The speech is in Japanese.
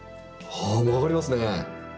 あ曲がりますね。